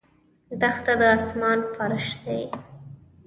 دښته د آسمان فرش دی.